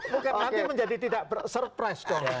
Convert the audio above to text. bukan nanti menjadi tidak surprise dong